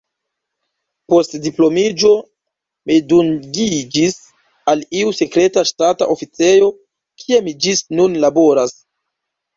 Post diplomiĝo mi dungiĝis al iu sekreta ŝtata oficejo, kie mi ĝis nun laboras.